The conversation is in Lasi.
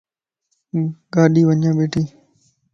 ڳاڏي وڃي بيٺي